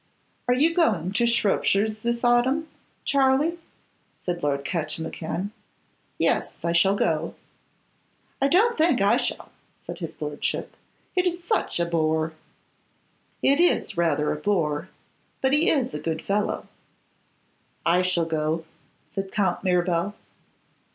'Are you going to Shropshire's this autumn, Charley?' said Lord Catchimwhocan. 'Yes, I shall go.' 'I don't think I shall,' said his lordship; 'it is such a bore.' 'It is rather a bore; but he is a good fellow.' 'I shall go,' said Count Mirabel.